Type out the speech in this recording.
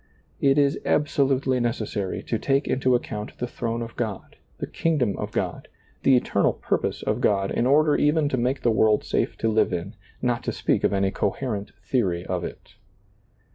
It is absolutely necessary to take into account the throne of God, the king dom of God, the eternal purpose of God, in order even to make the world safe to live in, not to speak of any coherent theory of it.